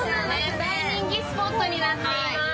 大人気スポットになっております。